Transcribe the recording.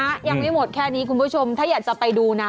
ยังไม่หมดแค่นี้คุณผู้ชมถ้าอยากจะไปดูนะ